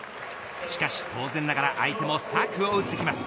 しかし当然ながら相手も策を打ってきます。